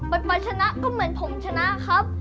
ชนะก็เหมือนผมชนะครับ